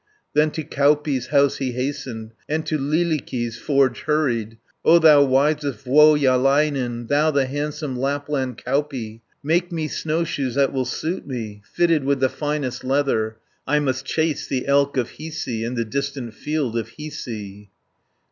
Then to Kauppi's house he hastened, And to Lyylikki's forge hurried. "O thou wisest Vuojalainen, Thou the handsome Lapland Kauppi, Make me snowshoes that will suit me, Fitted with the finest leather; 50 I must chase the elk of Hiisi, In the distant field of Hiisi."